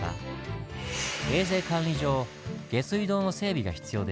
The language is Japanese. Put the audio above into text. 衛生管理上下水道の整備が必要でした。